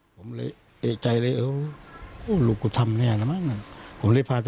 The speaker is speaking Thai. ผมเลยเอกใจเลยว่าลูกกูทำ